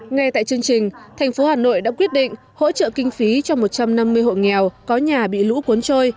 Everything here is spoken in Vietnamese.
ngay tại chương trình thành phố hà nội đã quyết định hỗ trợ kinh phí cho một trăm năm mươi hộ nghèo có nhà bị lũ cuốn trôi